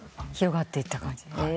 広がっていった感じ？